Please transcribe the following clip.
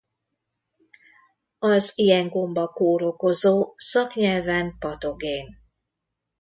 Az ilyen gomba kórokozó szaknyelven patogén.